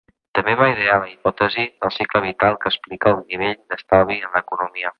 També va idear la hipòtesi del cicle vital que explica el nivell d'estalvi en l'economia.